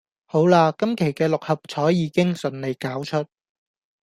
好喇今期嘅六合彩已經順利攪出